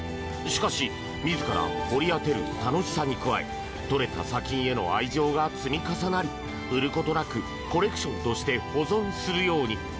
しかし自ら掘り当てる楽しさに加えとれた砂金への愛情が積み重なり、売ることなくコレクションとして保存するように。